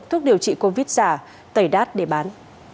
thuốc điều trị covid giả tẩy đát để bán